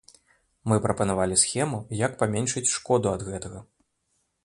Мы прапанавалі схему, як паменшыць шкоду ад гэтага.